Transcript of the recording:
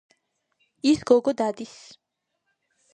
ის გოგო დადის.